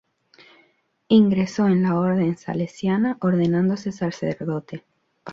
Ingresó en la orden salesiana, ordenándose sacerdote.